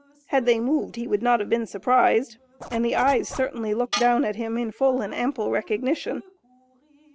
Had they moved he would not have been surprised, and the eyes certainly looked down at him in full and ample recognition.